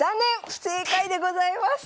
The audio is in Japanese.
不正解でございます！